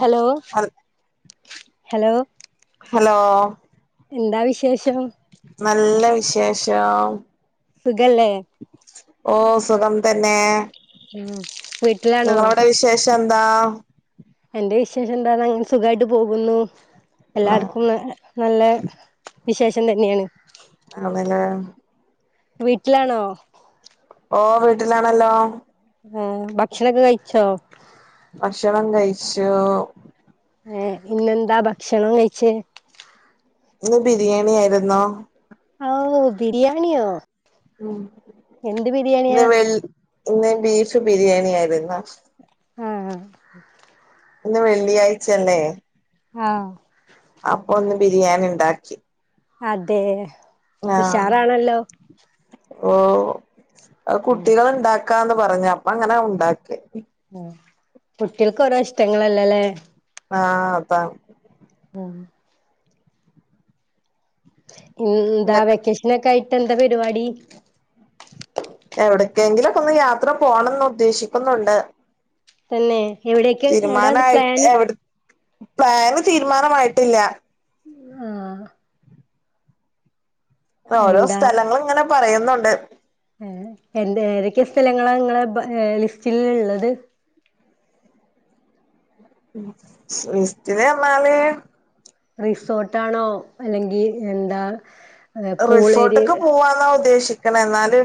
Hello hello hello എന്താ വിശേഷം നല്ല വിശേഷം സുഖല്ലേ ഓഹ് സുഖം തന്നെ ഉം വീട്ടിലാണോ നിങ്ങളടെ വിശേഷം എന്താ എന്റെ വിശേഷം എന്താ അങ്ങനെ സുഖമായിട്ട് പോകുന്നു ആ എല്ലാർക്കും നല്ല വിശേഷം തന്നെയാണ് [unintelligible] വീട്ടിലാണോ ഓ വീട്ടിലാണല്ലോ ആഹ് ഭക്ഷണൊക്കെ കഴിച്ചോ ഭക്ഷണം കഴിച്ചു ഏഹ് ഇന്നെന്താ ഭക്ഷണം കഴിച്ച ഇന്ന് ബിരിയാണി ആയിരുന്നോ ആഹ് ഓഹ് ബരിയാണി അഹ് ഉം ഇന്ന് വെള്ളി ഇന്ന് ബീഫ് ബിരിയാണി ആയിരുന്ന് ആഹ് ഇന്ന് വെള്ളിയാഴ്ചല്ലേ ആഹ അപ്പൊ ഒന്ന് ബിരിയാണി ണ്ടാക്കി അതെ ആഹ ഉഷാറാണല്ലോ ഓ ഉം കുട്ടികള്ണ്ടാക്ക ക്കാന്ന് പറഞ്ഞ് അപ്പ അങ്ങനെ ഉണ്ടാക്കി കുട്ടിൾക്ക് ഓരോ ഇഷ്ടങ്ങളല്ലല്ലേ ആഹ് അതാ ആഹ ന്താ നിങ്ങക്ക് വെക്കേഷനൊക്കെ ആയിട്ട് ന്താ പരിപാടി എവിടക്കെങ്കിലും ഒേക്ക ഒന്ന് യാത്ര പോണംന്ന് ഉദ്ദേശിക്കുന്നുണ്ട് തന്നെ എവിടേക്ക് എവിടാണ് തീരുമാനമായി് പ്ലാന് എവിടെ പ്ലാന് തീരുമാനമായിട്ടില്ല ആഹ ഓരോ എന്താ സ്ഥലങ്ങള് ഇങ്ങനെ പറയുന്നുണ്ട് ഏ എ ഏതൊക്കെ സ്ഥലങ്ങളാ നിങ്ങളെ ലിസ്റ്റിൽ ഇള്ളത് ലിസ്റ്റില് പറഞ്ഞാല് റിസോർട്ടാണോ അല്ലെങ്കി എന്താ ഏഹ് പൂളേരിയ റിസോർട്ടൊക്കെ പോവാന്നാ ഉദ്ദേശിക്കു എന്നാലല്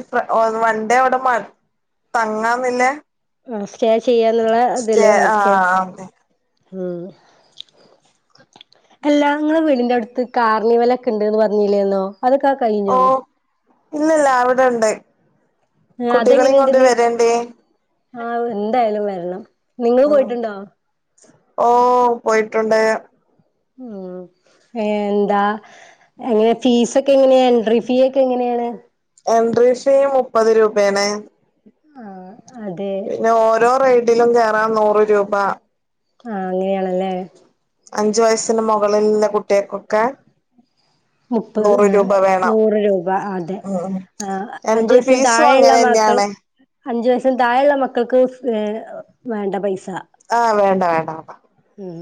വണ്ടേ അവിടെ തങ്ങന്നില്ലേ ആ സ്റ്റേ ചെയ്യാന്നുള്ള ഇതില് ആർക്കെ ആഹ് അതെ ഉ അല്ലാ ങ്ങളേ വീടിന്റെ അടുത്ത് കാർണിവലോക്കെ ണ്ട്ന്ന് പറഞ്ഞില്ലേന്നോ അതൊക്ക ഓ ഇല്ലല്ല അവിടെണ്ട് കുട്ടികളും കൊണ്ട് വരേണ്ടീ ആഹ ന്തായാലും വരണം നിങ്ങള് പോയിട്ടുണ്ടോ ഓ പോയിട്ടുണ്ട് ഉം എന്താ എങ്ങനെ ഫീസ ഒക്കെ എങ്ങനെയാ എൻട്രി ഫീ ഒക്കെ എങ്ങനെയാണ് എൻട്രി ഫീ മുപ്പത് രൂപേണെ ആഹ് അതെ പിന്നെ ഓരോ റൈടിലു കയറാൻ നൂറു രൂപ ആഹ് അങ്ങനെയാണലേ ലേ അഞ്ചു വയസ്സിനു മോകളിലുള്ള കുട്ടികൾക്കൊക്കെ മുപ്പത് നൂറ് ഏ രൂപ വേണം നൂറ് രൂപ അതെ ഉം ആ അഞ്ചു എൻട്രി വയസിന് ഫീസും താഴെയുള്ള അങ്ങനെ മത്രാ തന്നെയാണ് അഞ്ചു വയസിന് താഴെള്ള മക്കൾക്ക് വേണ്ട പൈസ ണ്ട ആഹ വേണ്ട വേണ്ട ഉം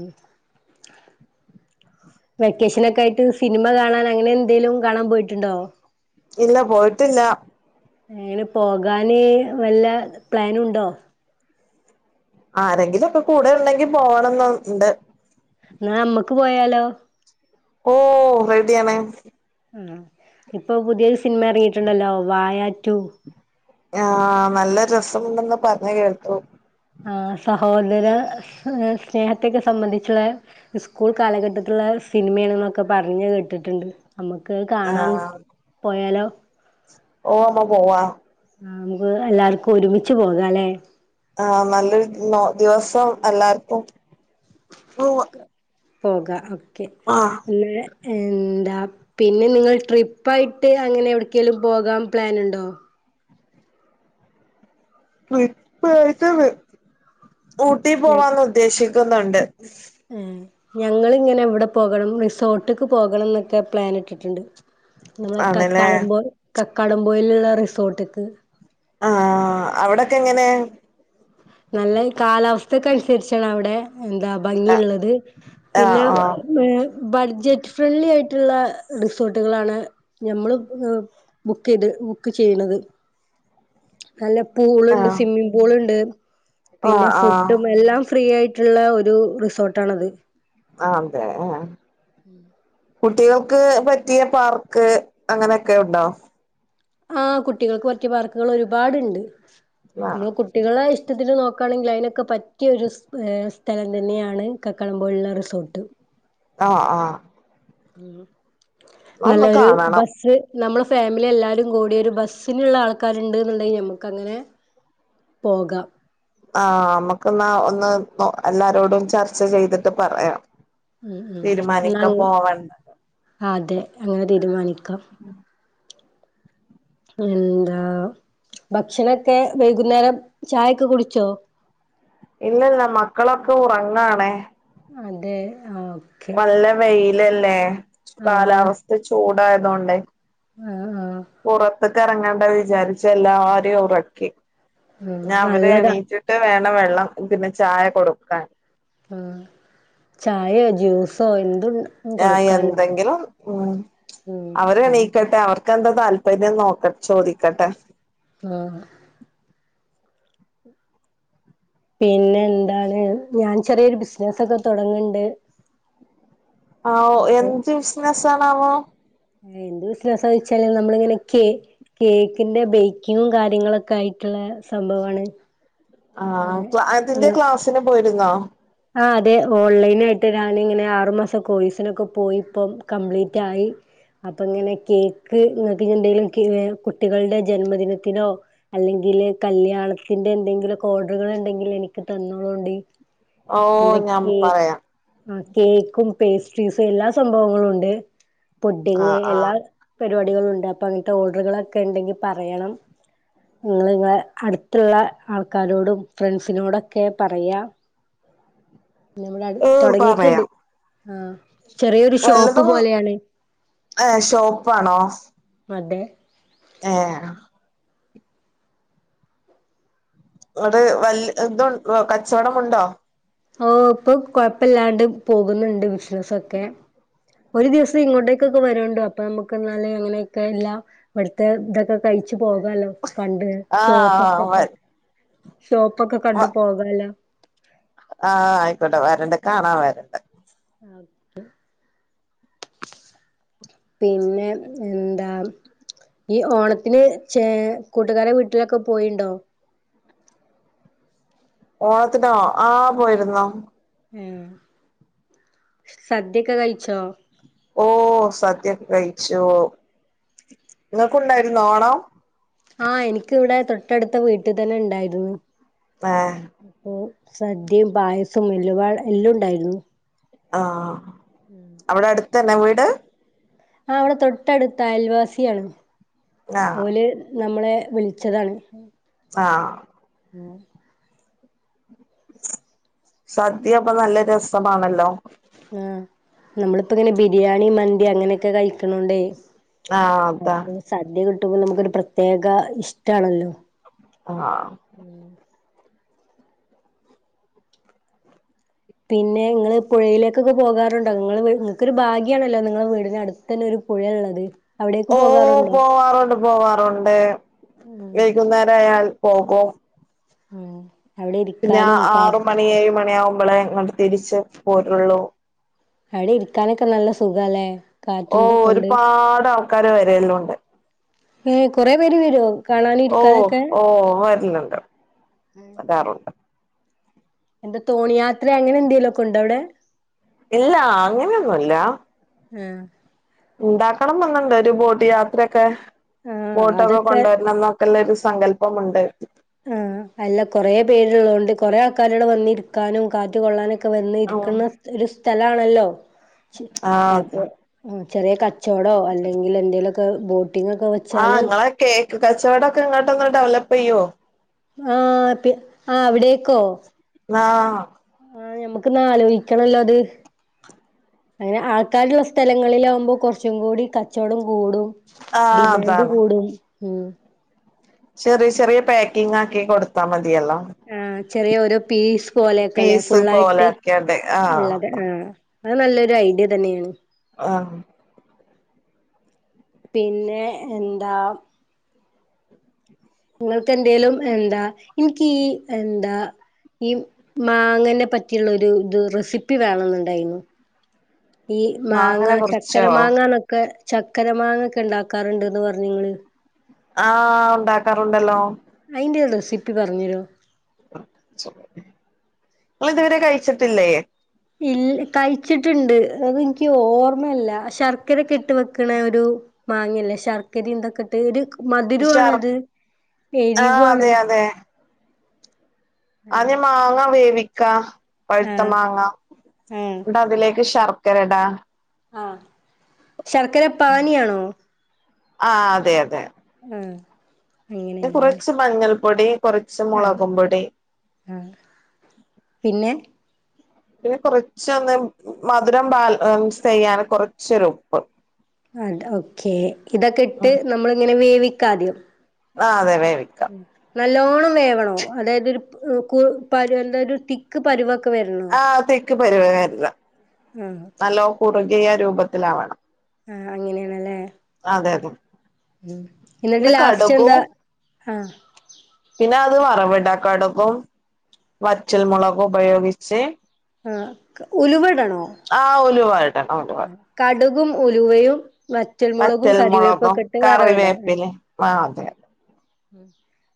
വെക്കേഷനൊക്കെ ആയിട്ട് സിനിമ കാണാൻ അങ്ങനെ എന്തെലും കാണാൻ പോയിട്ടുണ്ടോ ഇല്ല പോയിട്ടില്ല അങ്ങന പോകാന് വല്ല പ്ലാനുണ്ടോ ആരെങ്കിലും ഒക്കെ കൂടെ ഉണ്ടെങ്കി പോകണംന്ന് ണ്ട് ന്നാഅമ്മക്ക് പോയാലോ ഓ റെഡി ആണ് ആ ഇപ്പൊ പുതിയൊരു സിനിമ സാധനങ്ങളൊക്കെ എറങ്ങിയിട്ടുണ്ടല്ലോ വായാറ്റു ആ നല്ല രസമുണ്ടെന്ന് പറഞ്ഞഞ് കേട്ടു ആ സഹോദര സ്നേഹത്തോക്കേ സംബന്ധിച്ചുള്ള സ്കൂൾ കാലഘട്ടത്തിലുള്ള സിനിമയാണെന്നൊക്കെ പറഞ്ഞ് കേട്ടിട്ടുണ്ട് നമുക്ക് കാണാൻ ആഹ് പോയാലോ ഓ അമ്മ പോവാ ആ വേറേ എല്ലാർക്കും ഒരുമിച്ച് പോകാലെ ആ് നല്ലൊരു ദിവസം എല്ലാർക്കും പോവ പോക ഒക്കെ പിന്നെ എന്താ പിന്നെ നിങ്ങൾ ട്രിപ്പായിട്ട് അങ്ങനെ എവിടെക്കേലും പോകാൻ പ്ലാനുണ്ടോ ട്രിപ്പായിട്ട് ഊട്ടി പോകാൻ ഉദ്ദേശിക്കുന്നുണ്ട് ആ ഞങ്ങളിങ്ങനെ ഇവിടെ പോകണം റിസോട്ട്ക്ക് പോകണം എന്നൊക്കെ പ്ലാനിട്ടിട്ടൊണ്ട് നമ്മെ ആണല്ലേ കക്കാടപോ കക്കാടംപോയിലുള്ള റിസോട്ടിക്ക് ആ അവിടൊക്കെ എങ്ങനെ നല്ല കാലാവസ്ഥക്കെ അനുസരിച്ചാണ് അവിടെ എന്താ ഭംഗിയുള്ളത് ആഹ് പിന്നെ ആഹ് മേ ബഡ്ജറ്റ് ഫ്രണ്ട്ലിയായിട്ടുള്ള റിസോർട്ടുകളാണ് ഞമ്മള് ബുക്ക്ചെയ്ത് ബുക്ക്ചെയ്യണത് നല്ല ആഹ് പൂളുണ്ട് ആഹ് സ്വിമ്മിംഗ്പൂളൂണ്ട് ആഹ് പിന്നെ ആഹ് ഫുഡ് മ എല്ലാം ഫ്രീആയിട്ടുള്ള ഒരു റിസോട്ടാണത് ആംതെ ആ ആ ഉം കുട്ടികൾക്ക് പറ്റിയപാർക്ക് അങ്ങനെയൊക്കെ ഉണ്ടോ ആ കുട്ടികൾക്കുപറ്റിയ പാർക്കുകൾ ഒരുപാടുണ്ട് ആഹ് നമ്മള് കുട്ട് കുട്ടികളെ ഇഷ്ടത്തില് നോക്കാണെങ്കില് അയിനൊക്കെ പറ്റിയൊരു സ്ഥലം തന്നെയാണ് കക്കാടംപോയിലുള്ള റിസോർട്ട് ആ ആ ഒന്ന് നല്ലയൊരു കാണണം ബസ്സ് നമ്മള് ഫാമിലിയെല്ലാരും കൂടി ഒരുബസ്സിനുള്ള ആൾക്കാരുണ്ടെന്നുണ്ടെങ്കി നമുക്കങ്ങനെ പോകാം ആ നമ്മുക്കന്നാ ഒന്ന് നൊ എല്ലാരോടും ചർച്ചചെയ്തിട്ട് പറയാം ഉം തീരുമാനിക്കാ പോവണ്ട ആ അതെ അങ്ങനെ തീരുമാനിക്കാം എന്താ ഭക്ഷണൊക്കെ വൈകുന്നേരം ചായൊക്കെകുടിച്ചോ ഇല്ലല്ല മക്കളൊക്കെ ഉറങ്ങാണേ അതെ ആ ഓക്കെ വല്ല വെയിലല്ലേ ആഹ് കാലാവസ്ഥ ചൂടായതൊണ്ടെ ആഹ് ആഹ് പുറത്തക്കെറങ്ങണ്ടാ വിജാരിച്ച് എല്ലാരേം ഉറക്കി. ഉം ഞാ അവര് നല്ലതാ എണീറ്റിട്ടുവേണം വെള്ളം പിന്നെചായ കൊടുക്കാൻ. ആ ചായോ ജ്യൂസോ എന്തുണ്ടാ ആ എന്തെങ്കിലും ഉം ഉം ഉം അവരെണീക്കട്ടെ അവർക്കെന്താ താൽപര്യം നോക്ക ചോദിക്കട്ടെ ആ പിന്നെ എന്താണ് ഞാൻ ചെറിയൊരു ബിസ്നസ്സൊക്കെ തൊടങ്ങണ്ട്. ആവോ എന്ത് ബിസ്നസാണാവോ എന്തു ബിസിനസാ ചോയിച്ചാല് നമ്മളിങ്ങനെ കേ കേക്കിന്റെ ബേയ്ക്കിങ്ങും കാര്യങ്ങളൊക്കായിട്ടുള്ള സംഭവാണ്. ആ ഏഹ് അപ്പ അതിന്റെ ക്ലാസിന് പോയിരുന്നോ ആ അതെ ഓൺലൈനായിട്ട് ഞാനിങ്ങനെ ആറുമാസം കോഴ്സിനൊക്കെ പോയിപ്പം കംപ്ലീറ്റായി അപ്പൊഇങ്ങനെ കേക്ക് എന്തേലും കുട്ടികളുടെ ജന്മദിനത്തിനോ അല്ലെങ്കില് കല്യാണത്തിന്റെ എന്തെങ്കിലൊക്കെ ഓഡറുകളൊണ്ടെങ്കില് എനിക്ക് തന്നോളുണ്ടി. ഓഹ് എന്താ ഞാൻ കേക്ക് പറയാം ആ കേക്കും പേസ്ട്രീസും എല്ലാ സംഭവങ്ങളുംണ്ട്. പുഡിങ്ങ് ആഹ് ആഹ് എല്ലാപരിപാടികളുണ്ട് അപ്പൊ അങ്ങനത്തെ ഓഡറുകളൊക്കെണ്ടെങ്കി പറയണം. നിങ്ങള് നിങ്ങളെ അടുത്തുള്ള ആൾക്കാരോടും ഫ്രണ്ട്സിനോടൊക്കെ പറയാ ഞമ്മടെ അടു ഓഹ് തൊടങ്ങിട്ടൊണ്ട് പറയാം ആ ചെറിയൊരു ഷോപ്പുപോലെയാണ്. ഏ ഷോപ്പാണോ അതെ ഏ ഇവ്ടെ വല്യ ഇത് കച്ചോടമുണ്ടോ ഓഹ് ഇപ്പൊ കൊഴപ്പല്ലാണ്ട് പോക്ന്ന്ണ്ട് ബിസ്നസ്സൊക്കെ. ഒര് ദിവസം ഇങ്ങോട്ടേക്കൊക്കെ വരൊണ്ടു അപ്പ നമ്മക്കെന്നാല് അങ്ങനെയൊക്കെല്ലാം ഇവ്ടുത്ത ഇതൊക്കെ തയ്ച്ച് പോകാലൊ കണ്ട് ആഹ് ഷോപ്പ്ക്കൊക്കണ്ട്. ഷോപ്പൊക്കെ കണ്ട് പോകാലൊ ആഹ് അയ്ക്കോട്ടെ വരണ്ട് കാണാ വരണ്ട്. ഓക്ക് പിന്നെ എന്താ? യ്യ് ഓണത്തിന് ചെ കൂട്ടുകാരെ വീട്ടിലൊക്ക പോയിണ്ടോ? ഓണത്തിനോ ആഹ് പോയിരുന്നു ഉം സദ്യക്ക കയിച്ചോ? ഓഹ് സദ്യക്ക കയിച്ചൂ ഇങ്ങക്കുണ്ടാരുന്നൊ ഓണം? ആഹ് ഇൻക്ക് ഇവ്ടെ തൊട്ടട്ത്ത വീട്ടിതന്നെണ്ടായിര്ന്ന്. ആഹ് അപ്പോ സദ്യിം പായസം എല്ലുംപാടെ എല്ലു ഇണ്ടായിര്ന്നു. ആഹ് അവ്ട അട്ത്തന്ന വീട്? ആഹ് അവ്ട തൊട്ടട്ത്ത അയൽവാസ്യാണ് ആഹ് ഓല് നമ്മളേ വിളിച്ചതാണ്. ആഹ് ആഹ് സദ്യപ്പ നല്ല രസമാണല്ലൊ? ആഹ് നമ്മളിപ്പങ്ങനെ ബിരിയാണി മന്തി അങ്ങനൊക്ക കഴിക്ക്‌ണോണ്ടെ ആഹ് അതാണ് സദ്യ കിട്ട്മ്പ നമുക്കൊരു പ്രത്യേക ഇഷ്ട്ടാണല്ലൊ ആഹ് പിന്നെ ഇങ്ങള് പുഴയിലെക്കൊക്ക പോകാറ്ണ്ടൊ ഇങ്ങള് വ് ഇങ്ങൾക്കൊരു ഭാഗ്യാണല്ലൊ നിങ്ങളെ വീടിനടു തന്നൊര് പുഴയാണത്. ഓഹ് പോവാറുണ്ട് പോവാറുണ്ട് ഉം വൈകുന്നേരായാൽ പോകും. ഉം അവിടെ പിന്നെ ഇരിക്കാനും കാ ആറ് മണി ഏഴ് മണി ആവുമ്പളേ ഇങ്ങ്ട്ട് തിരിച്ച് പോരൊള്ളു അവടെ ഇരിക്കാനൊക്ക നല്ല സുഖാല്ലെ ഓഹ് ഒരുപാട് ആൾക്കാര് വരേല്ലൂണ്ട് ഏഹ് കൊറെ പേര് വരൊ കാണാനും ഇരിക്കാനൊക്കെ ഓഹ് വർലുണ്ട് വരാറുണ്ട് എന്ത തോണിയാത്രെ അങ്ങനെ എന്തെലൊക്ക ഉണ്ട അവടെ ഇല്ല അങ്ങനെന്നുല്ല ആഹ് ഉണ്ടാക്കണം ന്നെന്നുണ്ട് ഒരു ബോട്ട് യാത്രയൊക്കെ ആ ബോട്ടൊക്കെ അതൊക്കെ കൊണ്ടുവരണം എന്നൊ കല്ലൊരു സങ്കല്പമുണ്ട് ആഹ് അല്ല കൊറേ പേര്ള്ളോണ്ട് കൊറേ ആൾക്കാരേള് വന്നിരിക്കാനും കാറ്റ് കൊള്ളാനൊ വന്നിരിക്ക്ന്ന ഒരു സ്ഥലാണല്ലൊ ചി ആ അതെ അപൊ ആഹ് ചെറീ കക് ചോടൊ അല്ലെങ്കില് എന്തേലൊക്കെ ബോട്ടിംങൊക്ക വെ ആഹ് ഇങ്ങള കേക്ക് കച്ചോടക്ക ഇങ്ങോട്ടൊന്ന് ഡെവലപ്പിയ്യൊ ആഹ് പി ആഹ് അവിടേക്കൊ ന്നാഹ് ആഹ് ഞമ്മക്ക്ന്നാ ആലോയ്ക്കണലൊ അത് അങ്ങനെ ആൾക്കാര്ള്ള സ്ഥലങ്ങളിലാവുമ്പൊ കൊറ്ച്ചും കൂടി കച്ചോടം കൂടും ആ ഡിമാൻഡ് അതാണ് കൂടും ഉം ചെറിയ ചെറിയ പാക്കിങ് ആക്കി കൊട്ത്താ മതിയല്ലൊ ആഹ് ചെറിയ ഒരു പീസ് പോലെയൊക്കല്ലെ പീസ് പോലെ ഫുള്ളായിട്ട് ആക്കിയാണ്ട് ആ ഇള്ളത് ആഹ് അത് നല്ലൊര ഐഡിയ തന്നെയാണ് ആഹ് ഉം പിന്നെ എന്താ നിങ്ങൾക്ക് എന്തേലും എന്താ ഇൻക്കീ എന്താ ഈ മാങ്ങനെ പറ്റിള്ളൊരു ഇത് റെസിപ്പി വേണെന്ന്ണ്ടായിനു ഈ മാങ്ങ മാങ്ങനെ ചക്കര കുറച്ചോ മാങ്ങന്നൊക്കെ ചക്കര മാങ്ങ ഒക്കെ ഉണ്ടാക്കാറുണ്ട്ന്ന് പറഞ്ഞ്ങ്ങ്ള് ആഹ് ഉണ്ടാക്കാറുണ്ടല്ലോ അയിന്റെ റെസിപ്പി പറഞ്ഞെരോ ങ്ങളിത് വരെ കഴിച്ചിട്ടില്ലേ ഇൽ കഴിച്ചിട്ടുണ്ട് അതെനിക്ക് ഓർമ്മല്ല ശർക്കരക്കെ ഇട്ട് വെക്കണ ഒരു മാങ്ങല്ലേ ശർക്കരിം ഇതൊക്കെ ട്ട് ഒര് മധ് ഷർ രോണത് ആഹ് എരിവ്വുആണ് അതെ അതെ ആദ്യം മാങ്ങ വേവിക്ക പഴുത്ത ആഹ് മാങ്ങ ആഹ് ന്ന്ട്ട് അതിലേക്ക് ശർ ക്കരടാ ആഹ് ശർക്കര പാനിയാണോ ആഹ് അതെ അതെ ആഹ് പിന്നെ അങ്ങനെയാണല്ലേ കുറച്ച് മഞ്ഞൾപ്പൊടി കുറച്ച് ആഹ് മുളകും പൊടി ആഹ് പിന്നെ പിന്നെ കൊറച്ചൊന്ന് മധുരം ബാല ൻ സ്സ്‌ ചെയ്യാൻ കൊറച്ച് ഒര് ഉപ്പ് അത് ഓക്കെ ഇതൊക്കെ ഇട്ട് നമ്മൾ ഇങ്ങനെ വേവിക്കാദ്യം ആഹ് അതെ വേവിക് നല്ലോണം വേവണോ അതായത് ഒരു പ് കു പ ര ന്ന ര് ത്തി ക്ക്‌ പരുവൊക്കെ വെര്ണ ആഹ് ത്തിക്ക് പരുവം വെര്നം ആഹ് നല്ലോം കുറുകിയ രൂപത്തിലാവണം ആഹ് അങ്ങനെയണല്ലേ അതെ അതെ ഉം ഇന്ന്ട്ട് പിന്നെ യാസ്റ്റ് എന്താ കടുകും ആഹ് പിന്നെ അത് വറവ്ടാ കട്‌കും വറ്റൽ മുളകും ഉപയോഗിച്ച് ആഹ ക ഉലുവടണോ ആഹ് ഉലുവ ഇടണൊണ്ട് കടുകും ഉലുവയും വ റ്റൽ മുളകും വറ്റൽമുളകും കരിവേപ്പൊക്കെട്ട് വറവ്ടാ ഉം കറിവേപ്പിലിം ആ അതെ ഉം ഉം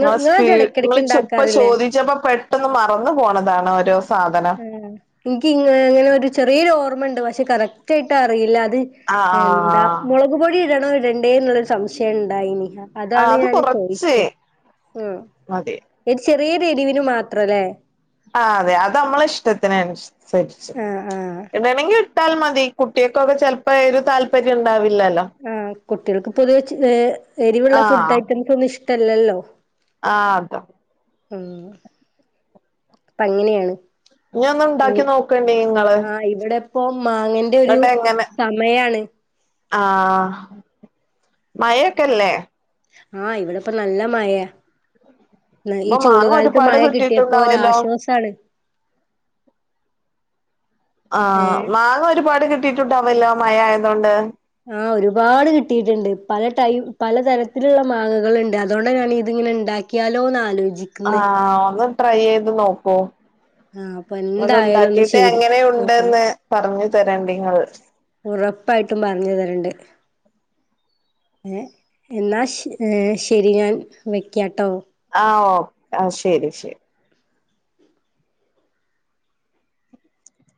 ങ്ങള് സ്പീ ങ്ങള് ചു പ്പ ഇണ്ടാക്കാറില്ലേ ചോദിച്ചപ്പോ പെട്ടെന്ന് മറന്ന് പോണതാണ് ഓരോ സാധനം ഏഹ് ഇൻകിങ്ങനെലൊ ഒരു ചെറിയൊരു ഓർമ്മണ്ട് പക്ഷെ കറക്റ്റ് ആയിട്ട് അറിയില്ല അത് ആഹ് എന്താ ആഹ് മുളക് പൊടി ഇടണോ ഇടണ്ടേന്ന് ള്ളര് സംശയണ്ടായിനി അഹ് ആ അതാണ് അത് ഞാന് കൊറച്ച് ചോയിച്ചേ ആഹ് മതി ഒരു ചെറിയേരെരിവിനു മാത്രലേ ആഹ് അതെ അത് അമ്മളെ ഇഷ്ടത്തിന് അൻസര്ച്ച് ആഹ് ആഹ് ഇടണെങ്കി ഇ ട്ടാൽ മതി കുട്ട്യാക്കൊക്കെ ചെലപ്പോ എരു താല്പര്യം ണ്ടാവില്ലല്ലോ ആഹ് കുട്ടികൾക്ക് പൊതുവെ ചെ ഏ എരിവുള്ള ഫുഡ് ഐറ്റംസ് ഒന്നും ഇഷ്ടല്ലല്ലോ ആഹ് അതാ അഹ് അപ്പ അങ്ങനെയാണ് ഇനി ഒന്ന് ഇനി ഉണ്ടാക്കി നോക്കണ്ടി നിങ്ങള് ആഹ് ഇവിടെ പ്പം മാങ്ങന്റെ ഒരു എന്നിട്ട് എങ്ങനെ സമയാണ് ആഹ് മഴെക്കെല്ലേ ആഹ് ഇവിടെപ്പ നല്ല മഴയ ന്നാ ഈ അപ്പൊ മാങ്ങ ചൂടുകാലത്ത് ഒരുപാട് മഴ കിട്ടിയപ്പോ കിട്ടിയിട്ടുണ്ടാവല്ലോ ഒരാശ്വാസാണ് ആഹ് ഏഹ് മാങ്ങ ഒരുപാട് കിട്ടിട്ടുണ്ടാവല്ലോ മയ ആയതോണ്ട് ആഹ് ഒരുപാട് കിട്ടിട്ട്ണ്ട് പല ടൈ പല പലതരത്തിലുള്ള മാങ്ങകള്ണ്ട് അതോണ്ടാ ഞാനിതിങ്ങനെണ്ടാ ക്യാലോന്നാലോജി ആഹ് ഒന്ന് ട്രൈയെയ്ത് നോക്കൂ ആഹ് അപ്പൊ ന്നട്ട് എന്തായാലും ഒന്ന് ഉണ്ടാക്കിട്ട് ചെയ്ത് എങ്ങനെ നോക്കണം ഉണ്ടെന്ന് പറഞ്ഞു തരണ്ടി ഇങ്ങൾ ഉറപ്പായിട്ടും പറഞ്ഞു തരണ്ട് ഏഹ് എന്നാ ശ് ശരി ഞാൻ വയ്ക്കാട്ടോ ആഹ് ഓഹ് ശരി ശരി